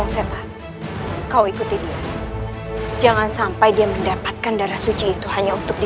setelah kita dapatkan darah suci kian santai